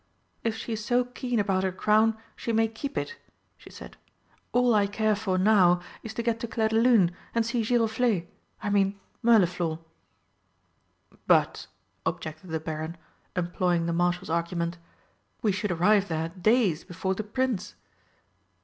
"If she is so keen about her crown she may keep it," she said. "All I care for now is to get to Clairdelune and see Giroflé I mean Mirliflor." "But," objected the Baron, employing the Marshal's argument, "we should arrive there days before the Prince."